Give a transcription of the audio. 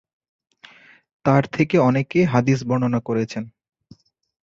তার থেকে থেকে অনেকেই হাদিস বর্ণনা করেছেন।